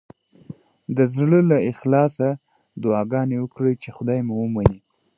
د زړه له اخلاصه دعاګانې وکړئ چې خدای مو ومني.